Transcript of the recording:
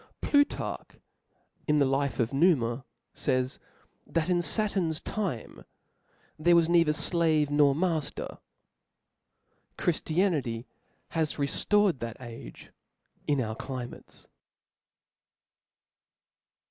Plutarch, ^in the life of Numa, fays, that in Sa turn's time, there was neither flave nor matter. Chridianrty has rcfl:ored that age in our climates.